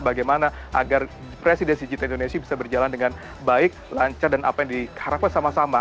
bagaimana agar presidensi g dua puluh indonesia bisa berjalan dengan baik lancar dan apa yang diharapkan sama sama